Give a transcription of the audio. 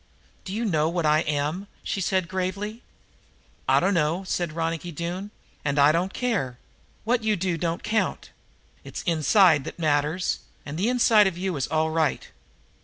"Do you know what I am?" she said gravely. "I dunno," said Ronicky, "and I don't care. What you do don't count. It's the inside that matters, and the inside of you is all right.